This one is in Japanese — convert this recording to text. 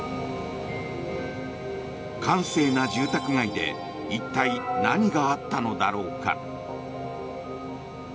閑静な住宅街で一体、何があったのだろうか。